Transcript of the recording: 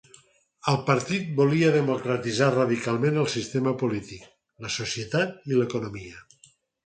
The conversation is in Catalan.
El partit volia democratitzar radicalment el sistema polític, la societat i l'economia.